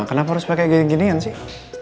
kenapa harus pakai gini ginian sih